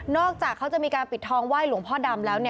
นอกจากจะมีการปิดทองว่ายหลวงพ่อดำ